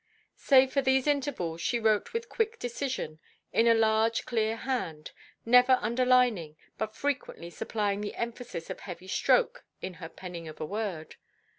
Save for these intervals, she wrote with quick decision, in a large clear hand, never underlining, but frequently supplying the emphasis of heavy stroke in her penning of a word.